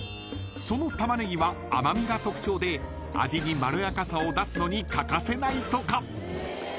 ［そのタマネギは甘味が特徴で味にまろやかさを出すのに欠かせないとか］